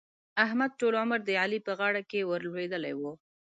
احمد؛ ټول عمر د علي په غاړه کې ور لوېدلی وو.